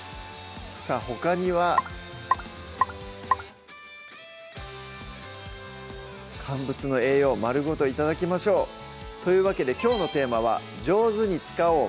さぁほかには乾物の栄養丸ごと頂きましょうというわけできょうのテーマは「上手に使おう！